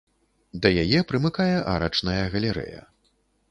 Да яе прымыкае арачная галерэя.